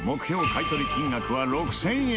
買い取り金額は６０００円。